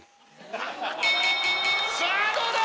さぁどうだ？